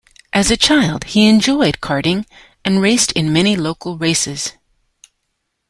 As a child he enjoyed Karting and raced in many local races.